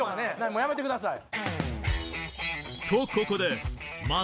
もうやめてください。